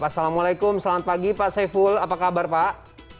assalamualaikum selamat pagi pak saiful apa kabar pak